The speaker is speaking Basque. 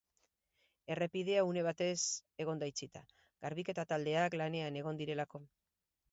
Errepidea une batez egon da itxita, garbiketa taldeak lanean egon direlako.